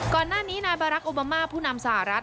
ก่อนหน้านี้นายบารักษ์โอบามาผู้นำสหรัฐ